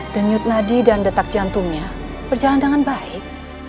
denyut nadi dan detak jantungnya berjalan dengan baik